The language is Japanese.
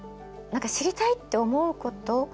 何か知りたいって思うこと。